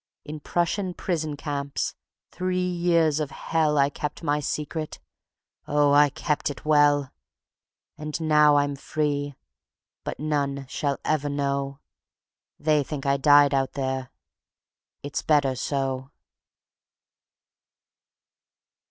In Prussian prison camps three years of hell I kept my secret; oh, I kept it well! And now I'm free, but none shall ever know; They think I died out there ... it's better so.